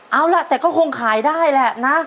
เอาล่ะแต่ก็คงขายได้แหละนะ